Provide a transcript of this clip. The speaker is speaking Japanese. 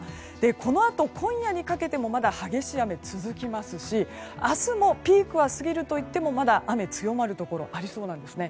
このあと、今夜にかけて激しい雨が続きますし明日もピークは過ぎるといってもまだ雨が強まるところがありそうです。